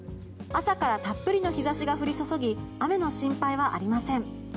朝からたっぷりの日差しが降り注ぎ雨の心配はありません。